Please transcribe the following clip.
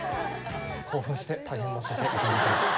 興奮して大変申し訳ございませんでした。